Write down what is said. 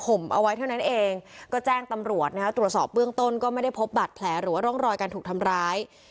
เอาไว้เท่านั้นเองก็แจ้งตำรวจนะฮะตรวจสอบเบื้องต้นก็ไม่ได้พบบัตรแผลหรือว่าร่องรอยการถูกทำร้าย